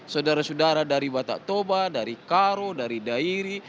saudara saudara dari batak toba dari karo dari dairi